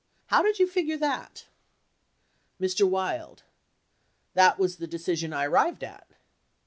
How did you figure that ? Mr. Wild. That was the decision I arrived at.